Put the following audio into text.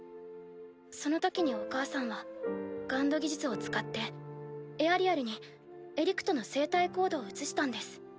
そのときにお母さんはＧＵＮＤ技術を使ってエアリアルにエリクトの生体コードを移したんです。